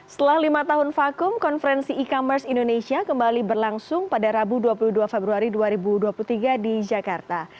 setelah lima tahun vakum konferensi e commerce indonesia kembali berlangsung pada rabu dua puluh dua februari dua ribu dua puluh tiga di jakarta